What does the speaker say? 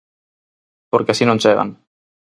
Porque así non chegan.